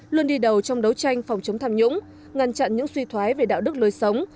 luôn đi đầu trong đấu tranh phòng chống tham nhũng ngăn chặn những suy thoái về đạo đức lối sống